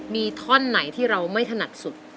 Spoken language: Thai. มีท่อนไหนที่เราไม่ถนัดสุด